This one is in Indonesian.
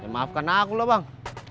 maafkan aku lah bang